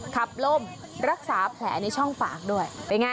ล่มรักษาแผลในช่องปากด้วยเป็นไง